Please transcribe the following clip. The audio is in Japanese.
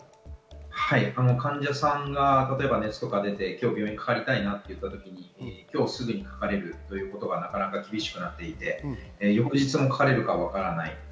患者さんが例えば熱が出て病院にかかりたいなといった時にすぐにかかれるということが厳しくなっていて、翌日もかかれるか分からない。